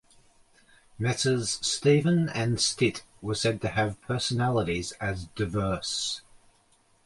Messrs Stephen and Stitt were said to have personalities as diverse.